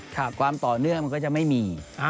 ความต่อเนื่องมันก็จะไม่มี